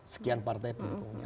sekian partai pendukungnya